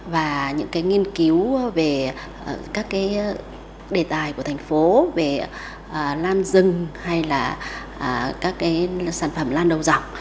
và những cái nghiên cứu về các cái đề tài của thành phố về lan rừng hay là các cái sản phẩm lan đầu dọc